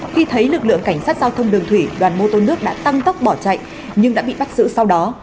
khi thấy lực lượng cảnh sát giao thông đường thủy đoàn mô tô nước đã tăng tốc bỏ chạy nhưng đã bị bắt giữ sau đó